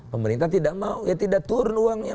pemerintah tidak mau ya tidak turun uangnya